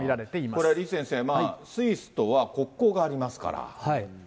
これ、李先生、スイスとは国交がありますから。